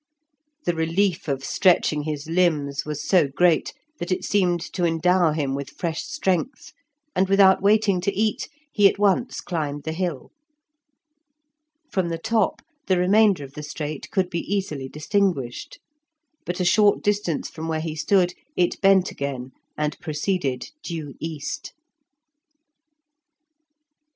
The relief of stretching his limbs was so great that it seemed to endow him with fresh strength, and without waiting to eat, he at once climbed the hill. From the top, the remainder of the strait could be easily distinguished. But a short distance from where he stood, it bent again, and proceeded due east.